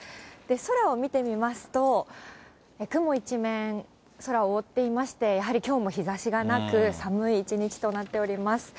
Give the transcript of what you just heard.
空を見てみますと、雲一面、空を覆っていまして、やはりきょうも日ざしがなく、寒い一日となっております。